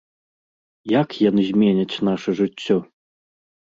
Як яны зменяць наша жыццё?